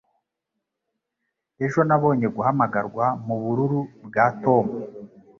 Ejo, nabonye guhamagarwa mubururu kwa Tom.